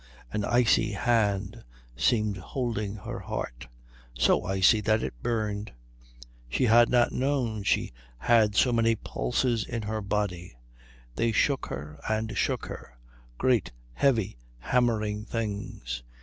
An icy hand seemed holding her heart, so icy that it burned. She had not known she had so many pulses in her body. They shook her and shook her; great, heavy, hammering things.